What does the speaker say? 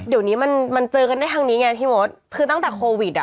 เดี๋ยวนี้มันมันเจอกันได้ทางนี้ไงพี่มดคือตั้งแต่โควิดอ่ะ